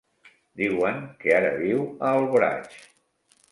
Diuen que ara viu a Alboraig.